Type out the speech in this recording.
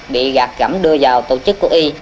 bị gạt gẫm đưa vào tổ chức của y